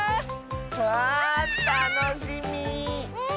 わたのしみ！